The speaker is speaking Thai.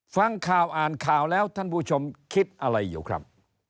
ฟังข่าวอ่านข่าวแล้วท่านผู้ชมคิดอะไรอยู่ครับ